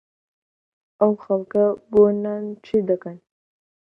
ئەو خەڵکە بۆ نان چ دەکەن؟